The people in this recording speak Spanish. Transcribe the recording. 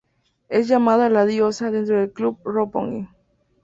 Es llamada la ""Diosa"" dentro del "Club Roppongi".